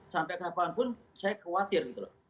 sampai ke hampir pun saya khawatir gitu loh